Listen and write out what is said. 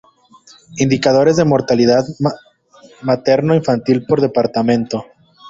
Indicadores de mortalidad materno infantil por departamento